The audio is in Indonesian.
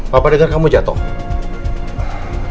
bapak denger kamu jatuh